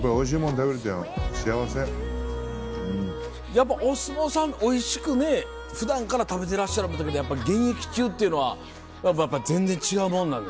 やっぱお相撲さんおいしくね普段から食べてらっしゃると思ったけどやっぱり現役中っていうのは全然違うもんなんですか？